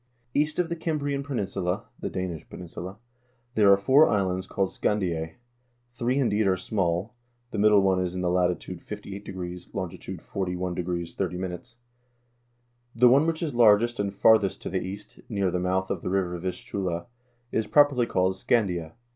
"East of the Cimbrian peninsula (the Danish peninsula) there are four islands called Scandise ; three indeed are small ; the middle one is in the latitude 58°, longitude 41° 30'. The one which is largest and farthest to the east, near the mouth of the river Vistula, is properly called Scandia.